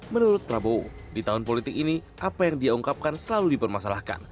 menurut prabowo di tahun politik ini apa yang dia ungkapkan selalu dipermasalahkan